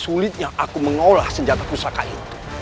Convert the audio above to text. sulitnya aku mengolah senjata pusaka itu